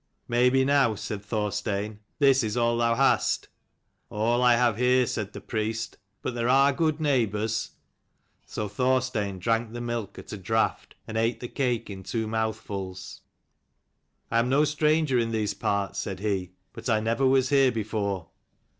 "Maybe now," said Thorstein, "this is all thou hast." " All I have here," said the priest. " But there are good neighbours." So Thorstein drank the milk at a draught, and ate the cake in two mouthfuls. " I am no stranger in these parts," said he, " but I never was here before."